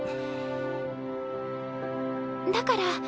だから。